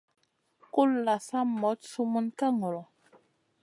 Kulʼla sa moɗ sumun ka ŋolo.